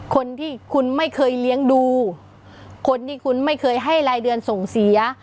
คนที่คุณไม่เคยเลี้ยงดูคนที่คุณไม่เคยให้รายเดือนส่งเสีย